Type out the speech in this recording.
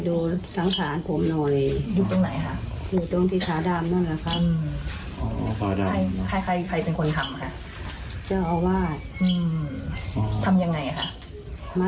อืมค่ะเสียงเรื่องศาสตร์วิญญาณของผมอีกนะ